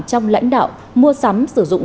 trong lãnh đạo mua sắm sử dụng